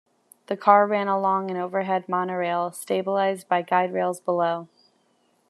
The car ran along an overhead monorail, stabilised by guide rails below.